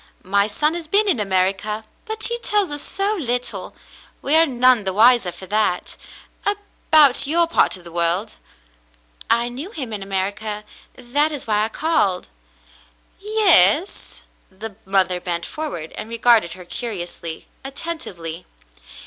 My son has been in America, but he tells us so little, we are none the wiser for that, about your part of the world." I knew him in America. That is why I called." Yes.'^" The mother bent forward and regarded her curiously, attentively.